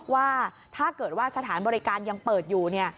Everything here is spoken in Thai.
ว่าถ้าเกิดว่าสถานบริการยังเปิดอยู่เนี่ย